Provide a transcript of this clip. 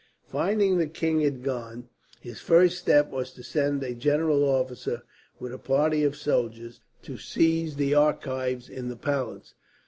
Finding the king had gone, his first step was to send a general officer, with a party of soldiers, to seize the archives in the palace.